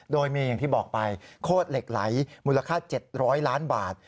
โดยมีอย่างที่บอกไปโคตรเหล็กไหลมูลค่า๗๐๐ล้านบาท